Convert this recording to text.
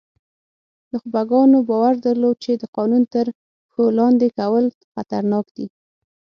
نخبګانو باور درلود چې د قانون تر پښو لاندې کول خطرناک دي.